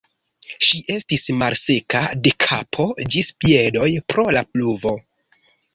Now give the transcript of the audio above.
Ŝi estis malseka de kapo ĝis piedoj pro la pluvo.